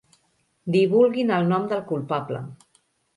Divulguin el nom del culpable.